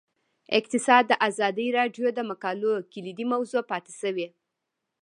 اقتصاد د ازادي راډیو د مقالو کلیدي موضوع پاتې شوی.